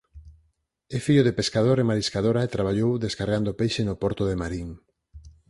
É fillo de pescador e mariscadora e traballou descargando peixe no porto de Marín.